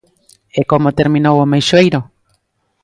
E ¿como terminou o Meixoeiro?